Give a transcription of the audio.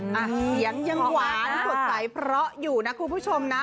อ่ะเสียงยังหวานสดใสเพราะอยู่นะคุณผู้ชมนะ